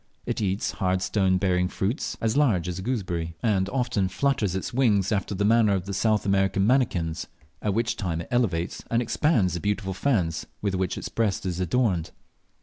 It eats hard stone bearing fruits as large as a gooseberry, and often flutters its wings after the manner of the South American manakins, at which time it elevates and expands the beautiful fans with which its breast is adorned.